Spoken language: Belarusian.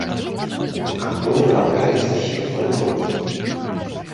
Узнагароду выраблялі са светлай бронзы.